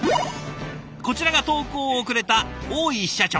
こちらが投稿をくれた大井支社長。